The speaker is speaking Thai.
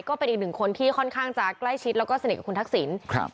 ก็เป็นอีกหนึ่งคนที่ค่อนข้างจะใกล้ชิดแล้วก็สนิทกับคุณทักษิณครับ